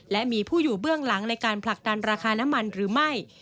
และมีผู้อยู่เบื้องหลังในการผลักดันราคาน้ำมันหรือไม่